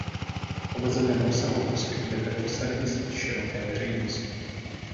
V omezeném rozsahu poskytuje tento servis i široké veřejnosti.